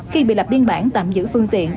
khi bị lập biên bản tạm giữ phương tiện